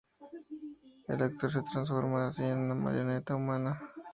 El actor se transforma así en una marioneta humana.